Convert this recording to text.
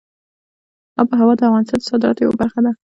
آب وهوا د افغانستان د صادراتو یوه برخه ده.